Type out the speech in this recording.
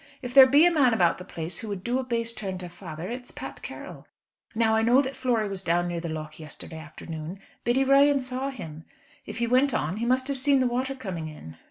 If there be a man about the place who would do a base turn to father, it's Pat Carroll. Now I know that Flory was down near the lough yesterday afternoon. Biddy Ryan saw him. If he went on he must have seen the water coming in."